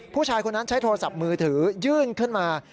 ผู้ชายคนนั้นใช้โทรศัพท์มือถือยื่นขึ้นมา